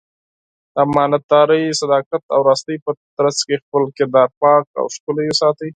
د امانتدارۍ، صداقت او راستۍ په ترڅ کې خپل کردار پاک او ښکلی وساتي.